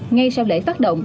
ngay sau lễ phát động